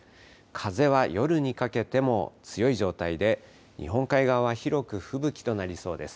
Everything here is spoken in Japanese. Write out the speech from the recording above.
風は夜にかけても強い状態で、日本海側は広く吹雪となりそうです。